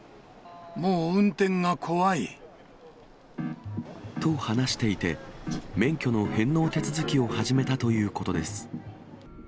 もう運転が怖い。と話していて、免許の返納手続きを始めたということです。